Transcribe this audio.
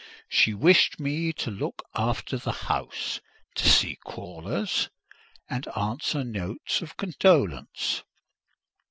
She wished me to look after the house, to see callers, and answer notes of condolence.